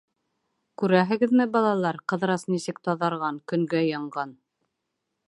— Күрәһегеҙме, балалар, Ҡыҙырас нисек таҙарған, көнгә янған.